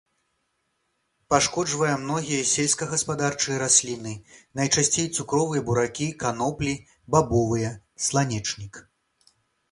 Пашкоджвае многія сельскагаспадарчыя расліны, найчасцей цукровыя буракі, каноплі, бабовыя, сланечнік.